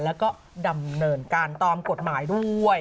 แล้วก็ดำเนินการตามกฎหมายด้วย